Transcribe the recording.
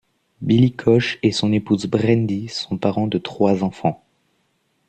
Billy Koch et son épouse Brandi sont parents de trois enfants.